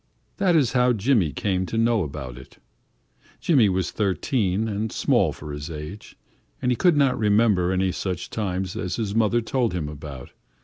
That is how Jimmy came to know about it. Jimmy was thirteen and small for his age, and he could not remember any such times as his mother told him about.